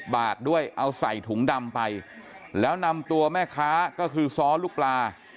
บาทด้วยเอาใส่ถุงดำไปแล้วนำตัวแม่ค้าก็คือซ้อลูกปลา